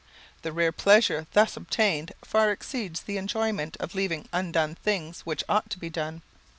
The rare pleasure thus obtained far exceeds the enjoyment of leaving undone things which ought to be done.